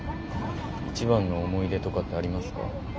一番の思い出とかってありますか？